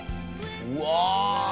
「うわ！